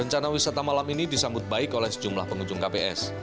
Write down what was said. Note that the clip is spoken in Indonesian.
rencana wisata malam ini disambut baik oleh sejumlah pengunjung kps